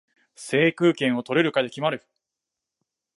制空権を取れるかで決まる